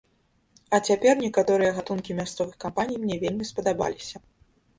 А цяпер некаторыя гатункі мясцовых кампаній мне вельмі спадабаліся.